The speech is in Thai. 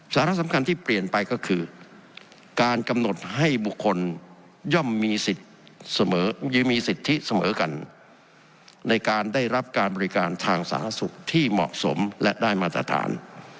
สาระสำคัญที่เปลี่ยนไปก็คือการกำหนดให้บุคคลย่อมมีสิทธิ์เสมอหรือมีสิทธิเสมอกันในการได้รับการบริการทางสาธารณสุขที่เหมาะสมและได้มาตรฐาน